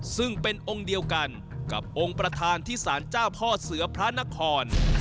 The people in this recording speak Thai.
ซึ่งเป็นองค์เดียวกันกับองค์ประธานที่สารเจ้าพ่อเสือพระนคร